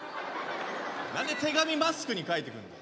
何で手紙マスクに書いてくるんだよ。